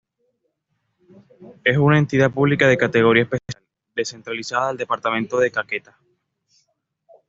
Es una entidad pública de categoría especial, descentralizada del departamento de Caquetá.